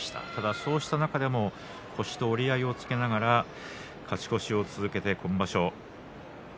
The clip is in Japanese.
そうした中でも腰と折り合いをつけながら勝ち越しを続けて今場所